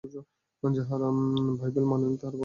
যাহারা বাইবেল মানে না, তাহারা অবশ্য একথা শুনিবে না।